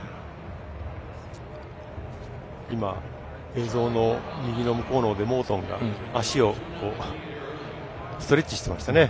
映像の右のほうで、モートンが足をストレッチしていましたね。